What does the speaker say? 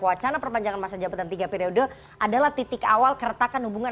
wacana perpanjangan masa jabatan tiga periode adalah titik awal keretakan hubungan